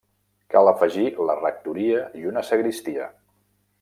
Cal afegir la rectoria i una sagristia.